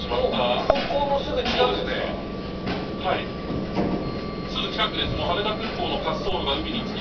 空港のすぐ近くですか？